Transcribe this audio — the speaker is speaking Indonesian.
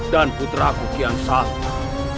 dan putraku kian sama